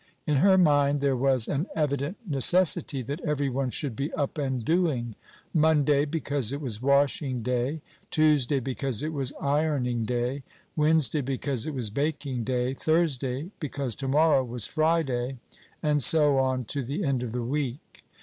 In her mind there was an evident necessity that every one should be up and doing: Monday, because it was washing day; Tuesday, because it was ironing day; Wednesday, because it was baking day; Thursday, because to morrow was Friday; and so on to the end of the week.